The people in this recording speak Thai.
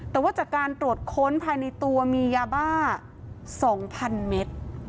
แต่ว่าจากการตรวจค้นภายในตัวมียาบ้า๒๐๐๐เมตร